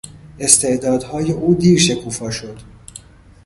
استعدادهای او دیر شکوفا شد.